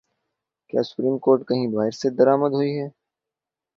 کیا supreme court کہیں باہر سے درآمد ہوئی ہے؟